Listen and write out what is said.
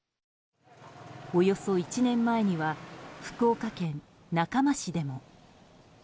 およそ１年前には福岡県中間市でも。